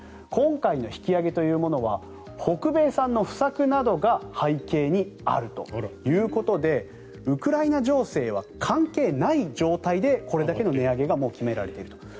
今回の引き上げというのは北米産の不作などが背景にあるということでウクライナ情勢は関係ない状態でこれだけの値上げがもう決められていると。